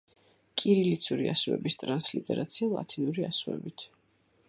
კირილიცური ასოების ტრანსლიტერაცია ლათინური ასოებით.